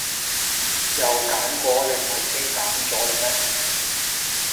又揀過？你唔係已經揀咗啦咩